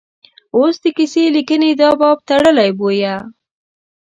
اوس د کیسه لیکنې دا باب تړلی بویه.